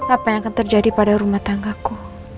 apa yang akan terjadi pada rumah tangga ku